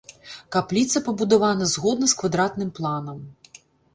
Капліца пабудавана згодна з квадратным планам.